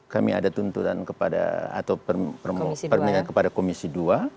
kami ada tuntutan kepada komisi dua